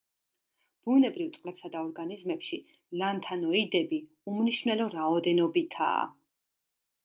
ბუნებრივ წყლებსა და ორგანიზმებში ლანთანოიდები უმნიშვნელო რაოდენობითაა.